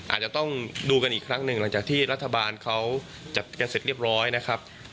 อาจจะต้องดูกันอีกครั้งหนึ่งหลังจากที่รัฐบาลเขาจัดกันเสร็จเรียบร้อยนะครับ